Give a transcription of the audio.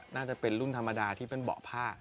น่าจะเป็นรุ่นธรรมดาที่เป็นเบาะผ้า